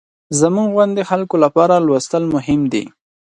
زموږ غوندې خلکو لپاره لوستل مهم دي.